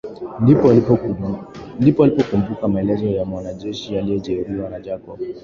Ndipo walipokumbuka maelezo ya mwanajeshi aliyjeruhiwa na Jacob